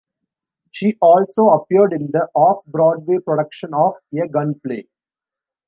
She also appeared in the off-Broadway production of "A Gun Play".